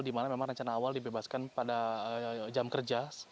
dimana memang rencana awal dibebaskan pada jam kerja